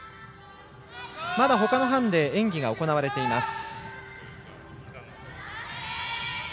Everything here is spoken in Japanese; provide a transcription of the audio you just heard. まだ他の班で演技が行われています。